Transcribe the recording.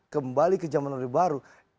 kembali ke zaman order baru